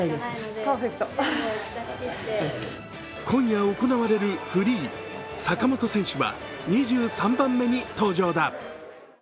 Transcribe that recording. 今夜行われるフリー、坂本選手は２３番目に登場だ。